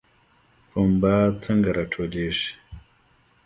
پنبه څنګه راټولیږي؟